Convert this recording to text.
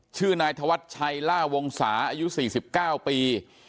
ชื่อนายธวัชชัยล่าวงศาอายุ๔๙ปี